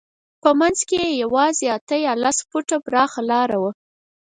په منځ کې یې یوازې اته یا لس فوټه پراخه لاره وه.